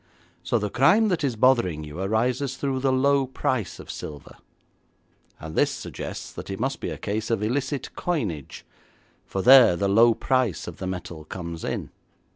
So the crime that is bothering you arises through the low price of silver, and this suggests that it must be a case of illicit coinage, for there the low price of the metal comes in.